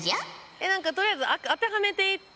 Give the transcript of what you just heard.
え何かとりあえず当てはめていって。